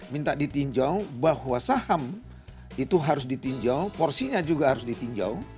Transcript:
minta ditinjau bahwa saham itu harus ditinjau porsinya juga harus ditinjau